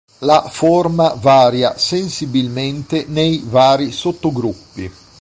La forma varia sensibilmente nei vari sottogruppi.